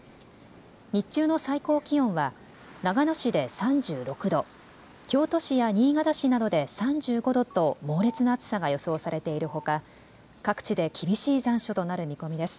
日中の最高気温は長野市で３６度、京都市や新潟市などで３５度と猛烈な暑さが予想されているほか各地で厳しい残暑となる見込みです。